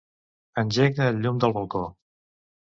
Engega el llum del balcó.